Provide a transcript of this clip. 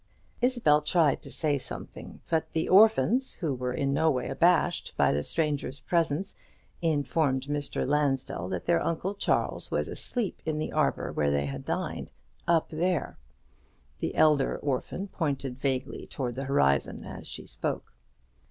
Isabel tried to say something; but the orphans, who were in no way abashed by the stranger's presence, informed Mr. Lansdell that their Uncle Charles was asleep in the arbour where they had dined. "up there." The elder orphan pointed vaguely towards the horizon as she spoke.